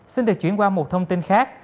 xin được chuyển qua một thông tin khác